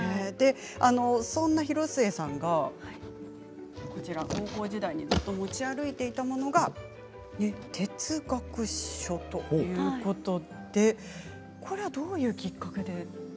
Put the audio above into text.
そんな広末さんが高校時代ずっと持ち歩いていたものが哲学書ということでこれはどういうきっかけで？